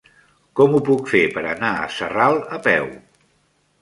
Com ho puc fer per anar a Sarral a peu?